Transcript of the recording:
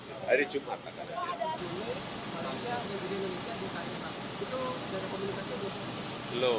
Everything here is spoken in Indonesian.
dulu indonesia indonesia indonesia itu dari komunikasi belum